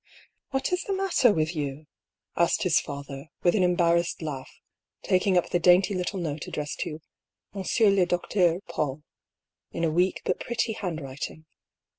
" What is the matter with you ?" asked his father, with an embarrassed laugh, taking up the dainty little note addressed to " Monsieur le Docteur Paull," in a weak but pretty handwriting.